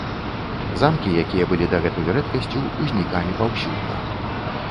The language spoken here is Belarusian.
Замкі, якія былі дагэтуль рэдкасцю, узнікалі паўсюдна.